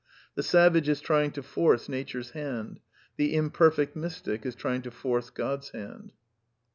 \The savage is trying to force Nature's hand. The im cr ^^ l perfect mystic is trying to force God's hand.